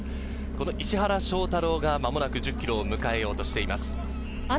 この石原翔太郎が間もなく１０ｋｍを迎えようとしています。